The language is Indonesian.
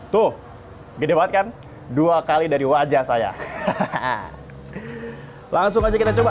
tuh gede banget kan dua kali dari wajah saya langsung aja kita coba